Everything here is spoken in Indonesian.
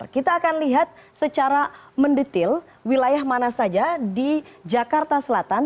kita akan lihat secara mendetail wilayah mana saja di jakarta selatan